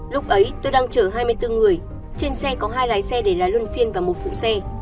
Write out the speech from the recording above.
lúc ấy tôi đang chở hai mươi bốn người trên xe có hai lái xe để lái luân phiên và một phụ xe